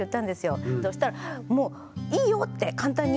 そしたらもう「いいよ」って簡単に。